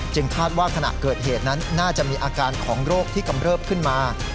คาดว่าขณะเกิดเหตุนั้นน่าจะมีอาการของโรคที่กำเริบขึ้นมา